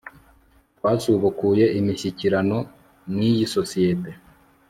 Twasubukuye imishyikirano niyi sosiyete